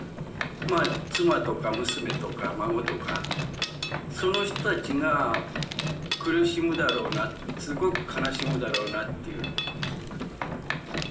まあ妻とか娘とか孫とかその人たちが苦しむだろうなすごく悲しむだろうなっていう」。